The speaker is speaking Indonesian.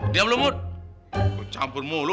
diam lo mut kok campur mulu lo